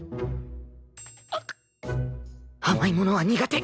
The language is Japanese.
あっ甘いものは苦手！